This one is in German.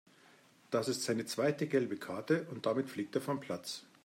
Das ist seine zweite gelbe Karte und damit fliegt er vom Platz.